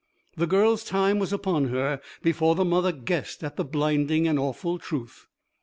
The girl's time was upon her before the mother guessed at the blinding and awful truth.